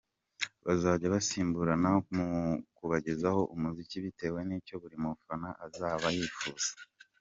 Bazajya basimburana mu kubagezaho umuziki bitewe n’icyo buri mufana azaba yifuza.